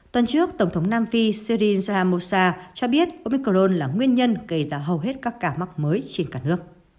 tuần trước tổng thống nam phi sirin saramosa cho biết omicron là nguyên nhân gây ra hầu hết các cả mắc mới trên cả nước